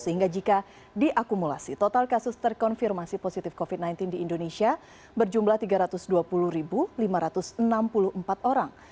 sehingga jika diakumulasi total kasus terkonfirmasi positif covid sembilan belas di indonesia berjumlah tiga ratus dua puluh lima ratus enam puluh empat orang